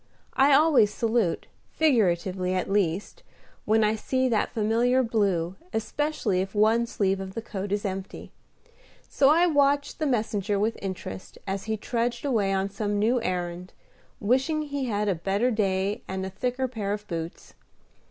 I always salute, figuratively at least, when I see that familiar blue, especially if one sleeve of the coat is empty; so I watched the messenger with interest as he trudged away on some new errand, wishing he had a better day and a thicker pair of boots.